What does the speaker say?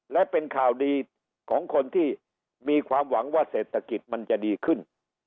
และเป็นข่าวดีของคนที่มีความหวังว่าเศรษฐกิจมันจะดีขึ้น